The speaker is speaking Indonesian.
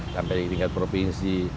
sampai tingkat provinsi